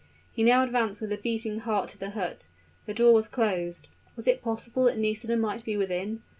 He now advanced with a beating heart to the hut. The door was closed. Was it possible that Nisida might be within?